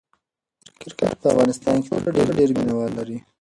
کرکټ په افغانستان کې تر ټولو ډېر مینه وال لري.